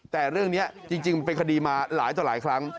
แต่เรื่องนี้จริงมันเป็นคดีมาหลายต่อหลายครั้ง